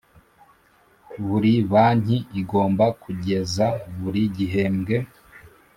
Buri banki igomba kugeza buri gihembwe